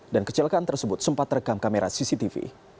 dan kecelakaan tersebut sempat rekam kamera cctv